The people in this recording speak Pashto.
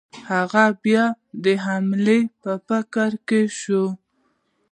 هغه بیا د حملې په فکر کې شو.